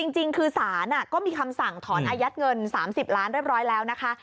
จริงคือศาลก็มีคำสั่งถอนอายัดเงิน๓๐ล้านเรียบร้อยแล้วนะคะ